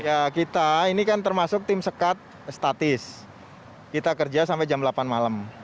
ya kita ini kan termasuk tim sekat statis kita kerja sampai jam delapan malam